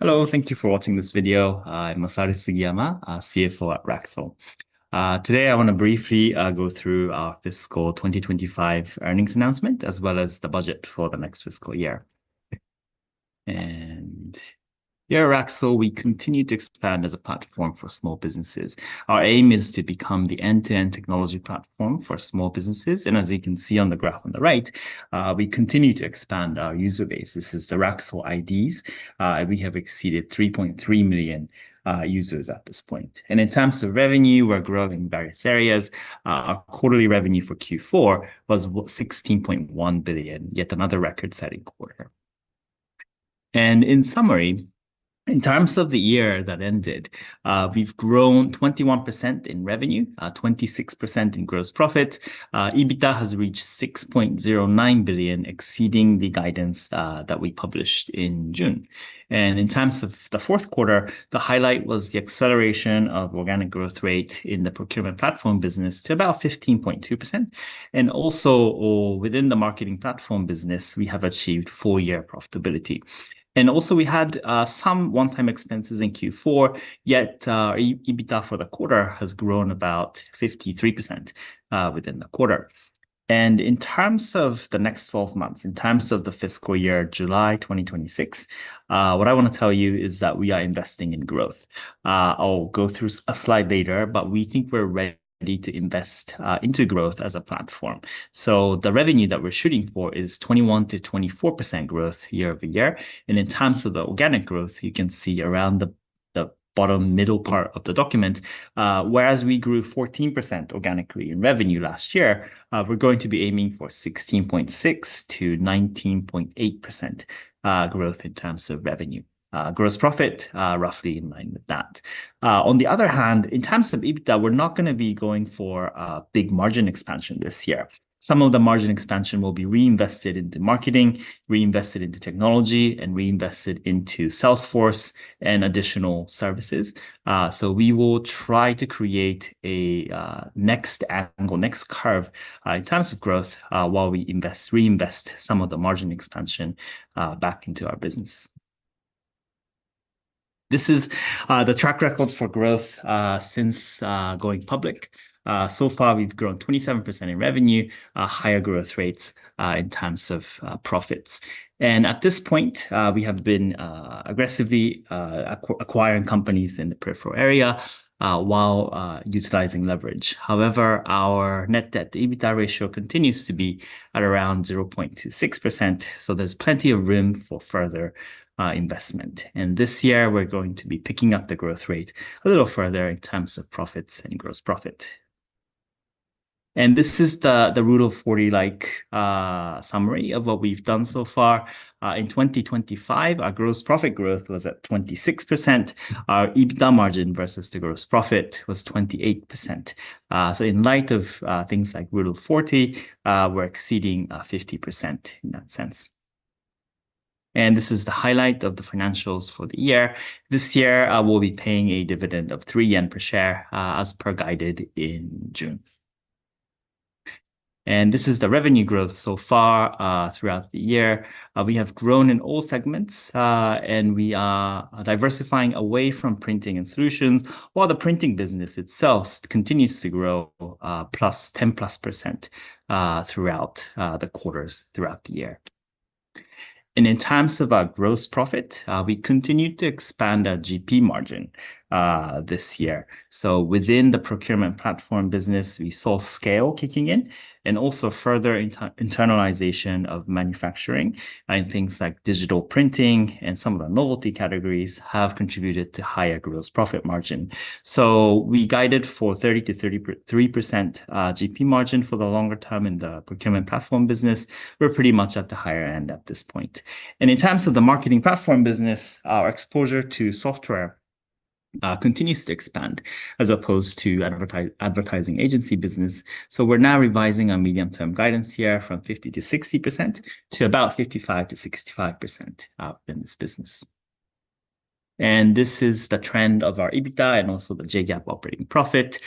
Hello, thank you for watching this video. I'm Masaru Sugiyama, a CFO at RAKSUL. Today, I want to briefly go through our fiscal 2025 earnings announcement, as well as the budget for the next fiscal year. Here, at RAKSUL, we continue to expand as a platform for small businesses. Our aim is to become the end-to-end technology platform for small businesses. As you can see on the graph on the right, we continue to expand our user base. This is the RAKSUL IDs. We have exceeded 3.3 million users at this point. In terms of revenue, we're growing in various areas. Our quarterly revenue for Q4 was 16.1 billion, yet another record-setting quarter. In summary, in terms of the year that ended, we've grown 21% in revenue, 26% in gross profit. EBITDA has reached 6.09 billion, exceeding the guidance that we published in June. In terms of the fourth quarter, the highlight was the acceleration of organic growth rate in the procurement platform business to about 15.2%. Also, within the marketing platform business, we have achieved four-year profitability. Also, we had some one-time expenses in Q4, yet EBITDA for the quarter has grown about 53% within the quarter. In terms of the next 12 months, in terms of the fiscal year, July 2026, what I want to tell you is that we are investing in growth. I'll go through a slide later, but we think we're ready to invest into growth as a platform. So the revenue that we're shooting for is 21%-24% growth year over year. In terms of the organic growth, you can see around the bottom middle part of the document, whereas we grew 14% organically in revenue last year, we're going to be aiming for 16.6% to 19.8% growth in terms of revenue. Gross profit, roughly in line with that. On the other hand, in terms of EBITDA, we're not going to be going for a big margin expansion this year. Some of the margin expansion will be reinvested into marketing, reinvested into technology, and reinvested into Salesforce and additional services. So we will try to create a next angle, next curve in terms of growth while we reinvest some of the margin expansion back into our business. This is the track record for growth since going public. So far, we've grown 27% in revenue, higher growth rates in terms of profits. At this point, we have been aggressively acquiring companies in the peripheral area while utilizing leverage. However, our net debt to EBITDA ratio continues to be at around 0.26%. So there's plenty of room for further investment. This year, we're going to be picking up the growth rate a little further in terms of profits and gross profit. This is the Rule of 40-like summary of what we've done so far. In 2025, our gross profit growth was at 26%. Our EBITDA margin versus the gross profit was 28%. So in light of things like Rule of 40, we're exceeding 50% in that sense. This is the highlight of the financials for the year. This year, we'll be paying a dividend of 3 yen per share as per guided in June. This is the revenue growth so far throughout the year. We have grown in all segments, and we are diversifying away from printing and solutions, while the printing business itself continues to grow plus 10 plus % throughout the quarters throughout the year, and in terms of our gross profit, we continue to expand our GP margin this year, so within the procurement platform business, we saw scale kicking in and also further internalization of manufacturing and things like digital printing and some of the novelty categories have contributed to higher gross profit margin, so we guided for 30-33% GP margin for the longer term in the procurement platform business. We're pretty much at the higher end at this point, and in terms of the marketing platform business, our exposure to software continues to expand as opposed to advertising agency business. So we're now revising our medium-term guidance here from 50%-60% to about 55%-65% in this business. And this is the trend of our EBITDA and also the J-GAAP operating profit.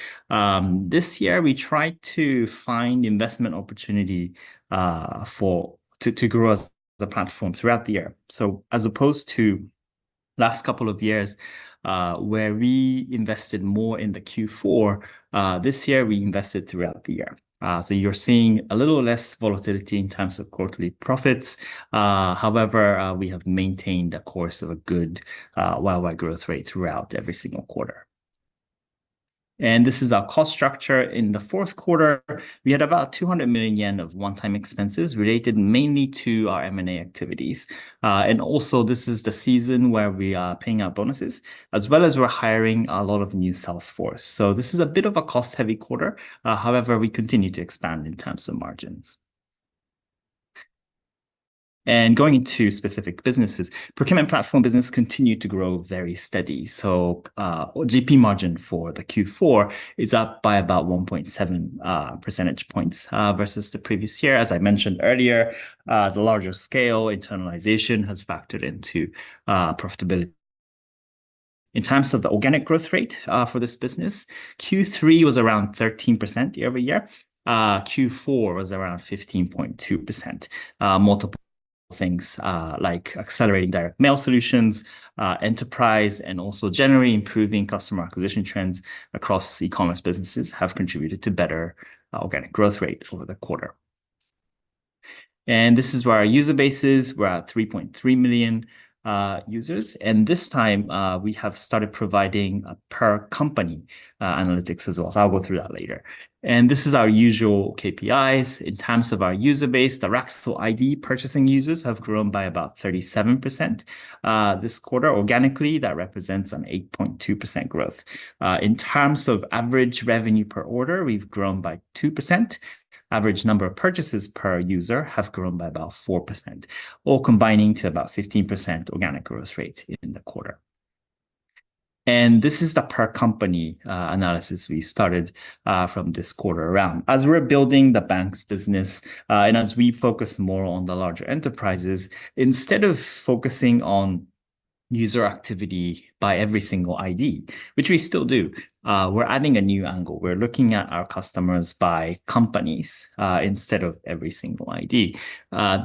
This year, we tried to find investment opportunity to grow as a platform throughout the year. So as opposed to the last couple of years where we invested more in the Q4, this year we invested throughout the year. So you're seeing a little less volatility in terms of quarterly profits. However, we have maintained a course of a good well-wide growth rate throughout every single quarter. And this is our cost structure. In the fourth quarter, we had about 200 million yen of one-time expenses related mainly to our M&A activities. And also, this is the season where we are paying out bonuses, as well as we're hiring a lot of new Sales force. So this is a bit of a cost-heavy quarter. However, we continue to expand in terms of margins. And going into specific businesses, procurement platform business continued to grow very steady. So GP margin for the Q4 is up by about 1.7 percentage points versus the previous year. As I mentioned earlier, the larger scale internalization has factored into profitability. In terms of the organic growth rate for this business, Q3 was around 13% year over year. Q4 was around 15.2%. Multiple things like accelerating direct mail solutions, enterprise, and also generally improving customer acquisition trends across e-commerce businesses have contributed to better organic growth rate over the quarter. And this is where our user base is. We're at 3.3 million users. And this time, we have started providing per company analytics as well. So I'll go through that later. And this is our usual KPIs. In terms of our user base, the RAKSUL ID purchasing users have grown by about 37% this quarter. Organically, that represents an 8.2% growth. In terms of average revenue per order, we've grown by 2%. Average number of purchases per user have grown by about 4%, all combining to about 15% organic growth rate in the quarter. And this is the per company analysis we started from this quarter around. As we're building the RAKSUL Bank's business and as we focus more on the larger enterprises, instead of focusing on user activity by every single ID, which we still do, we're adding a new angle. We're looking at our customers by companies instead of every single ID.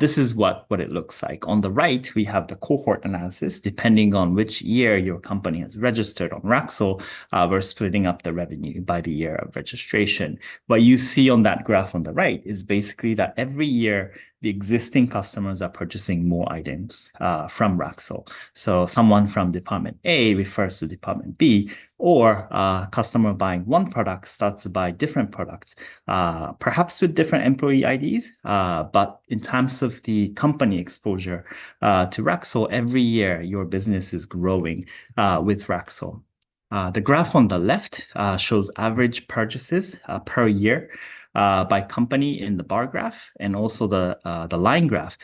This is what it looks like. On the right, we have the cohort analysis. Depending on which year your company has registered on RAKSUL, we're splitting up the revenue by the year of registration. What you see on that graph on the right is basically that every year, the existing customers are purchasing more items from RAKSUL. So someone from department A refers to department B, or a customer buying one product starts to buy different products, perhaps with different employee IDs. But in terms of the company exposure to RAKSUL, every year, your business is growing with RAKSUL. The graph on the left shows average purchases per year by company in the bar graph. And also, the line graph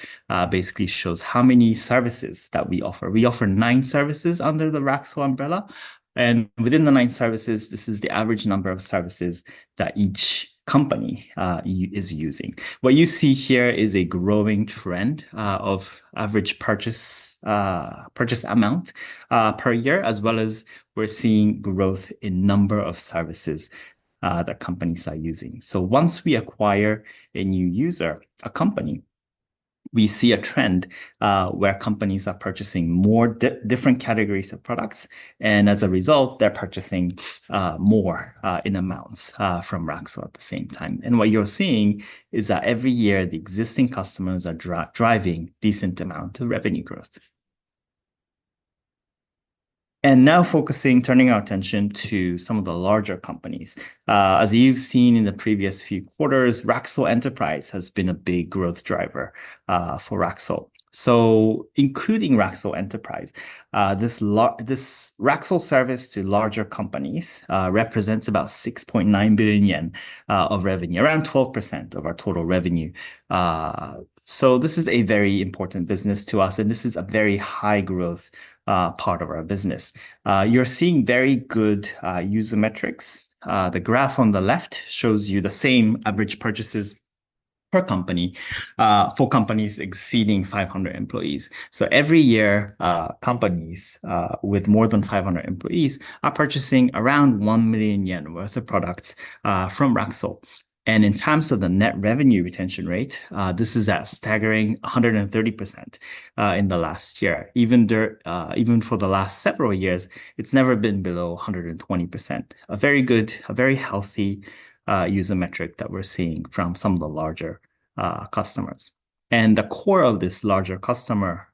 basically shows how many services that we offer. We offer nine services under the RAKSUL umbrella. And within the nine services, this is the average number of services that each company is using. What you see here is a growing trend of average purchase amount per year, as well as we're seeing growth in number of services that companies are using. So once we acquire a new user, a company, we see a trend where companies are purchasing more different categories of products. And as a result, they're purchasing more in amounts from RAKSUL at the same time. And what you're seeing is that every year, the existing customers are driving a decent amount of revenue growth. And now focusing, turning our attention to some of the larger companies. As you've seen in the previous few quarters, RAKSUL Enterprise has been a big growth driver for RAKSUL. So including RAKSUL Enterprise, this RAKSUL service to larger companies represents about 6.9 billion yen of revenue, around 12% of our total revenue. So this is a very important business to us, and this is a very high-growth part of our business. You're seeing very good user metrics. The graph on the left shows you the same average purchases per company for companies exceeding 500 employees, so every year, companies with more than 500 employees are purchasing around 1 million yen worth of products from RAKSUL, and in terms of the net revenue retention rate, this is a staggering 130% in the last year. Even for the last several years, it's never been below 120%. A very good, a very healthy user metric that we're seeing from some of the larger customers, and the core of this larger customer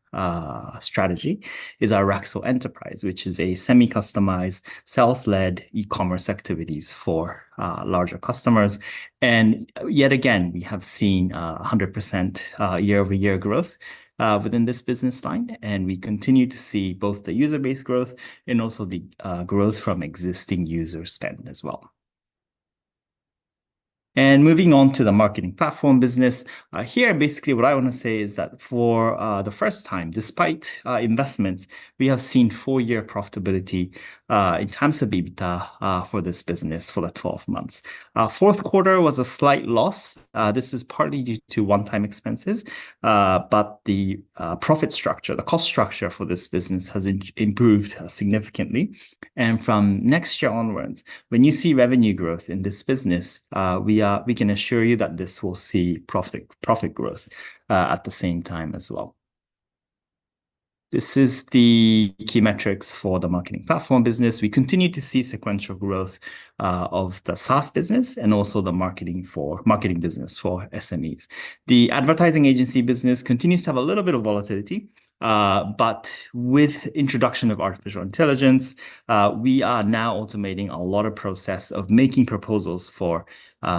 strategy is our RAKSUL Enterprise, which is a semi-customized sales-led e-commerce activities for larger customers, and yet again, we have seen 100% year-over-year growth within this business line, and we continue to see both the user base growth and also the growth from existing user spend as well. Moving on to the marketing platform business here, basically what I want to say is that for the first time, despite investments, we have seen four-year profitability in terms of EBITDA for this business for the 12 months. Fourth quarter was a slight loss. This is partly due to one-time expenses. The profit structure, the cost structure for this business has improved significantly. From next year onwards, when you see revenue growth in this business, we can assure you that this will see profit growth at the same time as well. This is the key metrics for the marketing platform business. We continue to see sequential growth of the SaaS business and also the marketing business for SMEs. The advertising agency business continues to have a little bit of volatility. But with the introduction of artificial intelligence, we are now automating a lot of process of making proposals for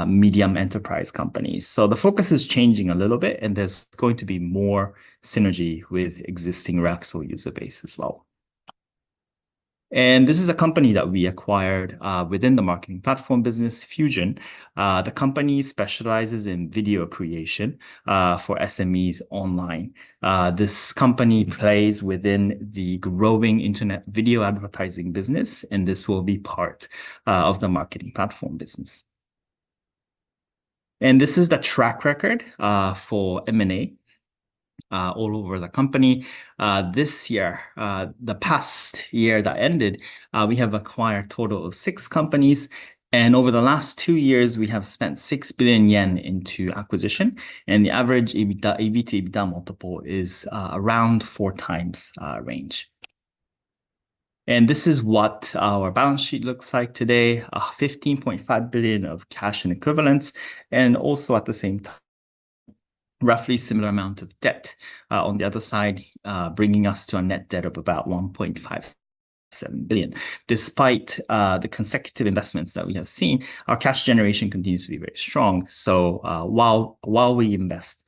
medium enterprise companies. So the focus is changing a little bit, and there's going to be more synergy with existing RAKSUL user base as well. And this is a company that we acquired within the marketing platform business, Fusion. The company specializes in video creation for SMEs online. This company plays within the growing internet video advertising business, and this will be part of the marketing platform business. And this is the track record for M&A all over the company. This year, the past year that ended, we have acquired a total of six companies. And over the last two years, we have spent 6 billion yen into acquisition. And the average EBITDA to EBITDA multiple is around four times range. And this is what our balance sheet looks like today: 15.5 billion of cash and equivalents. And also, at the same time, roughly similar amount of debt on the other side, bringing us to a net debt of about 1.57 billion. Despite the consecutive investments that we have seen, our cash generation continues to be very strong. So while we invest,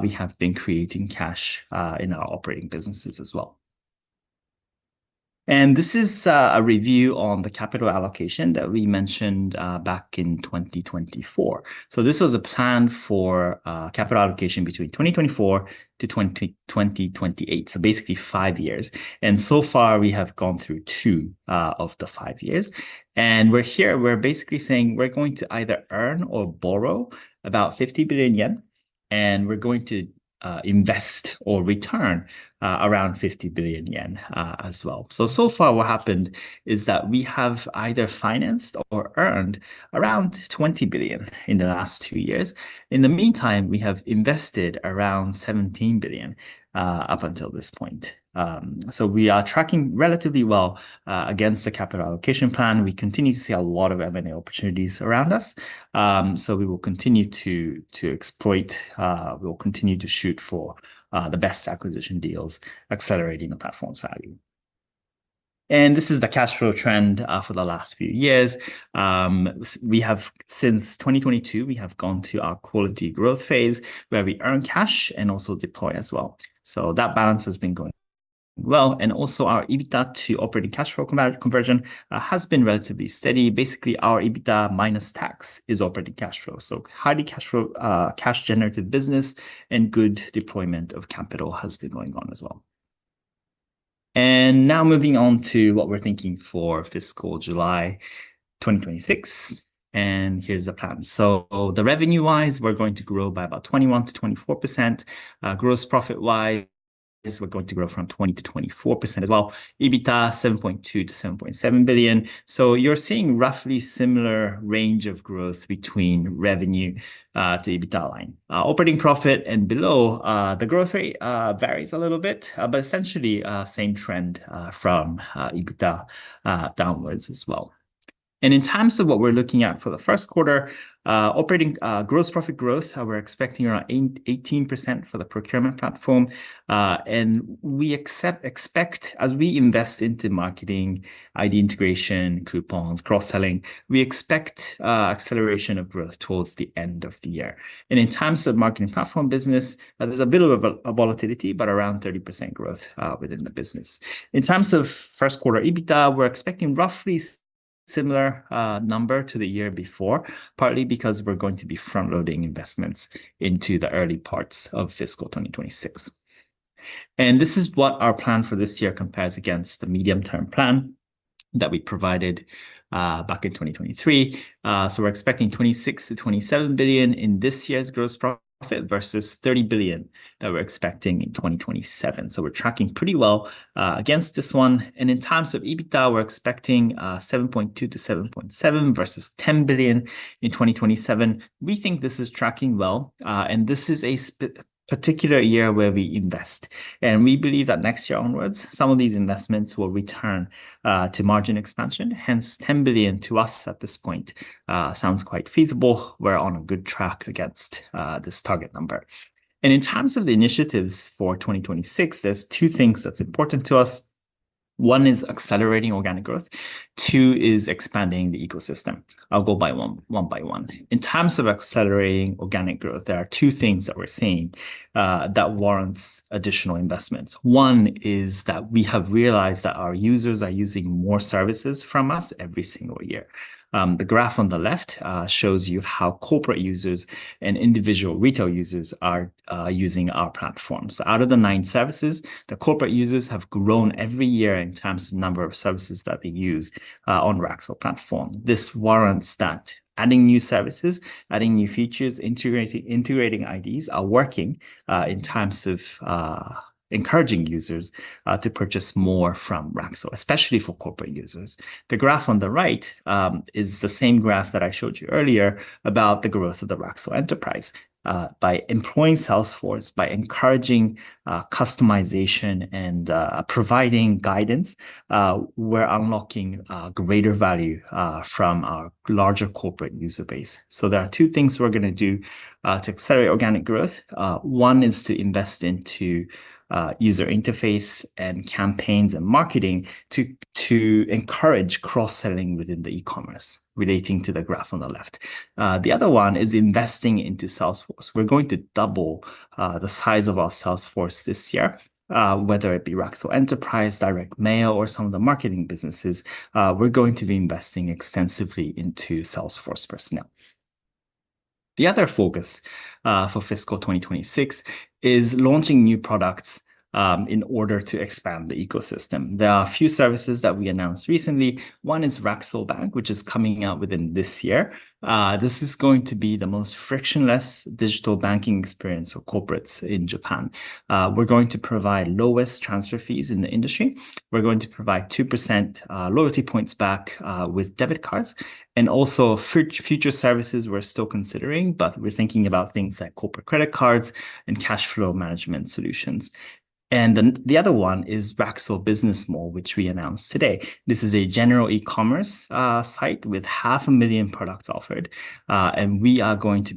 we have been creating cash in our operating businesses as well. And this is a review on the capital allocation that we mentioned back in 2024. So this was a plan for capital allocation between 2024 to 2028, so basically five years. And so far, we have gone through two of the five years. And we're here, we're basically saying we're going to either earn or borrow about 50 billion yen, and we're going to invest or return around 50 billion yen as well. So far, what happened is that we have either financed or earned around 20 billion in the last two years. In the meantime, we have invested around 17 billion up until this point. So we are tracking relatively well against the capital allocation plan. We continue to see a lot of M&A opportunities around us. So we will continue to exploit. We will continue to shoot for the best acquisition deals, accelerating the platform's value. And this is the cash flow trend for the last few years. Since 2022, we have gone to our quality growth phase where we earn cash and also deploy as well. So that balance has been going well. And also, our EBITDA to operating cash flow conversion has been relatively steady. Basically, our EBITDA minus tax is operating cash flow. Highly cash-generative business and good deployment of capital has been going on as well. Now moving on to what we're thinking for Fiscal 2026. Here's the plan. Revenue-wise, we're going to grow by about 21%-24%. Gross profit-wise, we're going to grow 20%-24% as well. EBITDA 7.2 billion-7.7 billion. You're seeing roughly similar range of growth between revenue to EBITDA line. Operating profit and below, the growth rate varies a little bit, but essentially same trend from EBITDA downwards as well. In terms of what we're looking at for the first quarter, operating gross profit growth, we're expecting around 18% for the procurement platform. We expect, as we invest into marketing, ID integration, coupons, cross-selling, we expect acceleration of growth towards the end of the year. In terms of marketing platform business, there's a bit of a volatility, but around 30% growth within the business. In terms of first quarter EBITDA, we're expecting roughly similar number to the year before, partly because we're going to be front-loading investments into the early parts of fiscal 2026. This is what our plan for this year compares against the medium-term plan that we provided back in 2023. We're expecting 26-27 billion in this year's gross profit versus 30 billion that we're expecting in 2027. We're tracking pretty well against this one. In terms of EBITDA, we're expecting 7.2-7.7 billion versus 10 billion in 2027. We think this is tracking well. This is a particular year where we invest. We believe that next year onwards, some of these investments will return to margin expansion. Hence, 10 billion to us at this point sounds quite feasible. We're on a good track against this target number. And in terms of the initiatives for 2026, there's two things that's important to us. One is accelerating organic growth. Two is expanding the ecosystem. I'll go by one by one. In terms of accelerating organic growth, there are two things that we're seeing that warrants additional investments. One is that we have realized that our users are using more services from us every single year. The graph on the left shows you how corporate users and individual retail users are using our platform. So out of the nine services, the corporate users have grown every year in terms of the number of services that they use on RAKSUL platform. This warrants that adding new services, adding new features, integrating IDs are working in terms of encouraging users to purchase more from RAKSUL, especially for corporate users. The graph on the right is the same graph that I showed you earlier about the growth of the RAKSUL Enterprise. By employing sales force, by encouraging customization and providing guidance, we're unlocking greater value from our larger corporate user base. There are two things we're going to do to accelerate organic growth. One is to invest into user interface and campaigns and marketing to encourage cross-selling within the e-commerce relating to the graph on the left. The other one is investing into sales force. We're going to double the size of our sales force this year, whether it be RAKSUL Enterprise, direct mail, or some of the marketing businesses, we're going to be investing extensively into sales force personnel. The other focus for fiscal 2026 is launching new products in order to expand the ecosystem. There are a few services that we announced recently. One is RAKSUL Bank, which is coming out within this year. This is going to be the most frictionless digital banking experience for corporates in Japan. We're going to provide lowest transfer fees in the industry. We're going to provide 2% loyalty points back with debit cards. And also, future services we're still considering, but we're thinking about things like corporate credit cards and cash flow management solutions. And the other one is RAKSUL Business Mall, which we announced today. This is a general e-commerce site with 500,000 products offered. And we are going to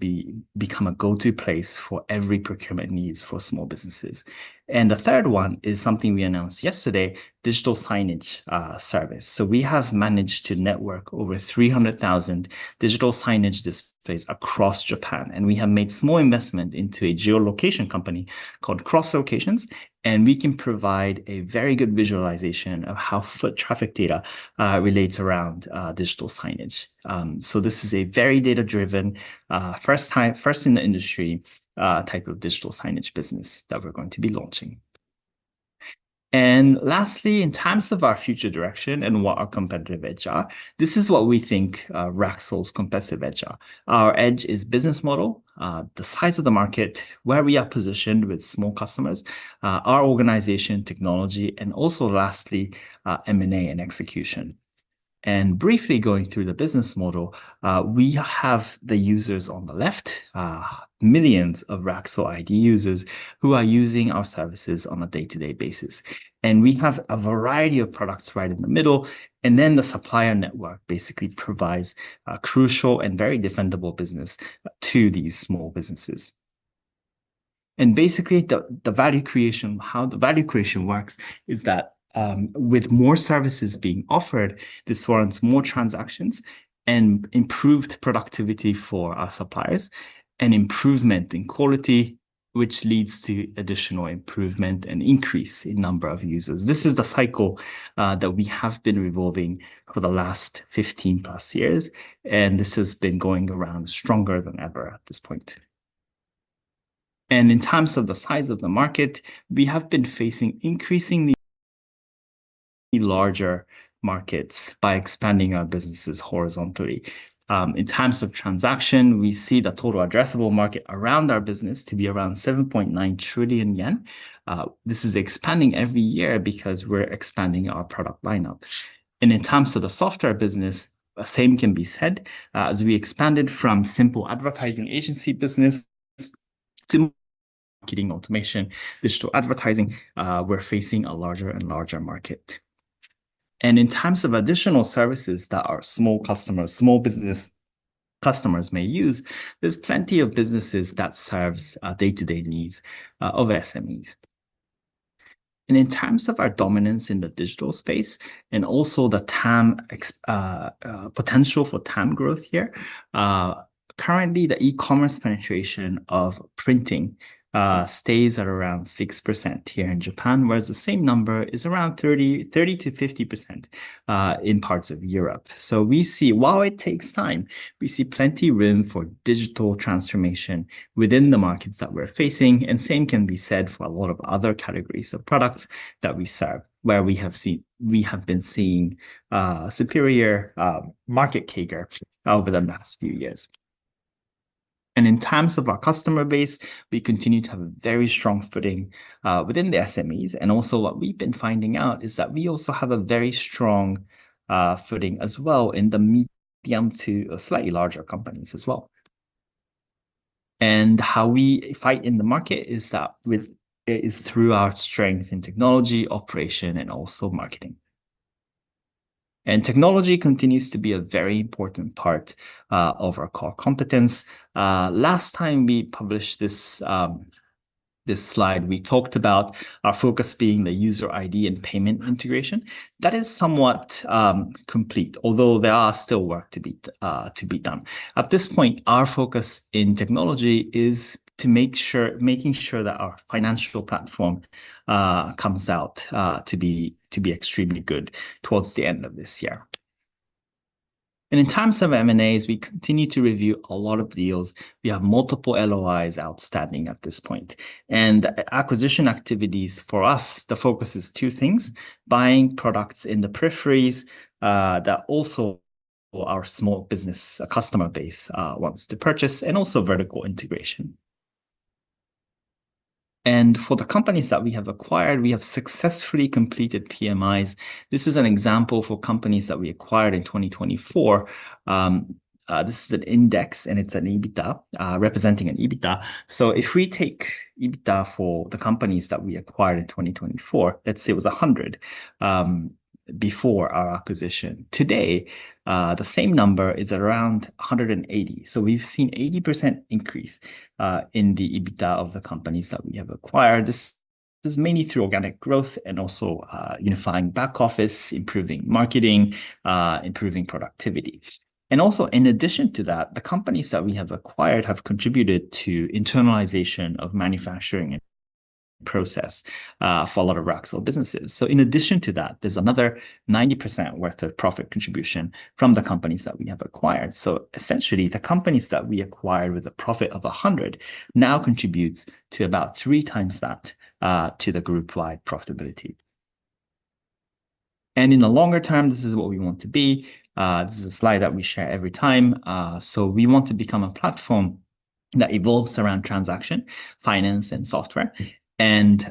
become a go-to place for every procurement needs for small businesses. And the third one is something we announced yesterday, digital signage service. We have managed to network over 300,000 digital signage displays across Japan. We have made small investment into a geolocation company called Cross Locations. We can provide a very good visualization of how foot traffic data relates around digital signage. This is a very data-driven, first-time in the industry type of digital signage business that we're going to be launching. Lastly, in terms of our future direction and what our competitive edge are, this is what we think RAKSUL's competitive edge are. Our edge is business model, the size of the market, where we are positioned with small customers, our organization, technology, and also lastly, M&A and execution. Briefly going through the business model, we have the users on the left, millions of RAKSUL ID users who are using our services on a day-to-day basis. And we have a variety of products right in the middle. And then the supplier network basically provides a crucial and very defendable business to these small businesses. And basically, the value creation, how the value creation works is that with more services being offered, this warrants more transactions and improved productivity for our suppliers and improvement in quality, which leads to additional improvement and increase in number of users. This is the cycle that we have been revolving for the last 15 plus years. And this has been going around stronger than ever at this point. And in terms of the size of the market, we have been facing increasingly larger markets by expanding our businesses horizontally. In terms of transaction, we see the total addressable market around our business to be around 7.9 trillion yen. This is expanding every year because we're expanding our product lineup. In terms of the software business, the same can be said. As we expanded from simple advertising agency business to marketing automation, digital advertising, we're facing a larger and larger market. In terms of additional services that our small customers, small business customers may use, there's plenty of businesses that serve day-to-day needs of SMEs. In terms of our dominance in the digital space and also the potential for time growth here, currently the e-commerce penetration of printing stays at around 6% here in Japan, whereas the same number is around 30%-50% in parts of Europe. We see, while it takes time, we see plenty of room for digital transformation within the markets that we're facing. And same can be said for a lot of other categories of products that we serve, where we have been seeing superior market capture over the last few years. And in terms of our customer base, we continue to have a very strong footing within the SMEs. And also what we've been finding out is that we also have a very strong footing as well in the medium to slightly larger companies as well. And how we fight in the market is through our strength in technology, operation, and also marketing. And technology continues to be a very important part of our core competence. Last time we published this slide, we talked about our focus being the user ID and payment integration. That is somewhat complete, although there are still work to be done. At this point, our focus in technology is to make sure that our financial platform comes out to be extremely good towards the end of this year. And in terms of M&As, we continue to review a lot of deals. We have multiple LOIs outstanding at this point. And acquisition activities for us, the focus is two things: buying products in the peripheries that also our small business customer base wants to purchase, and also vertical integration. And for the companies that we have acquired, we have successfully completed PMIs. This is an example for companies that we acquired in 2024. This is an index, and it's an EBITDA representing an EBITDA. So if we take EBITDA for the companies that we acquired in 2024, let's say it was 100 before our acquisition. Today, the same number is around 180. We've seen 80% increase in the EBITDA of the companies that we have acquired. This is mainly through organic growth and also unifying back office, improving marketing, improving productivity. Also, in addition to that, the companies that we have acquired have contributed to internalization of manufacturing and process for a lot of RAKSUL businesses. In addition to that, there's another 90% worth of profit contribution from the companies that we have acquired. Essentially, the companies that we acquired with a profit of 100 now contribute to about three times that to the group-wide profitability. In the longer term, this is what we want to be. This is a slide that we share every time. We want to become a platform that evolves around transaction, finance, and software. And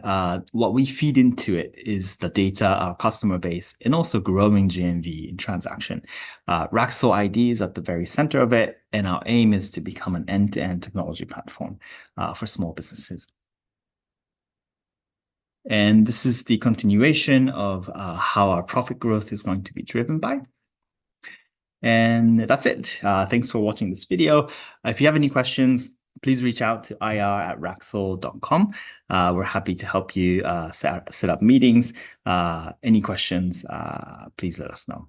what we feed into it is the data, our customer base, and also growing GMV in transaction. RAKSUL ID is at the very center of it, and our aim is to become an end-to-end technology platform for small businesses. And this is the continuation of how our profit growth is going to be driven by. And that's it. Thanks for watching this video. If you have any questions, please reach out to ir@raksul.com. We're happy to help you set up meetings. Any questions, please let us know.